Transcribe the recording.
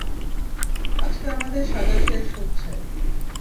আজকে আমাদের সাজা শেষ হচ্ছে।